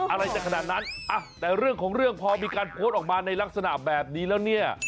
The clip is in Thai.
อะไรจะขนาดนั้นแต่เรื่องของเรื่องพอมีการโพสต์ออกมาในลักษณะแบบนี้แล้วเนี่ย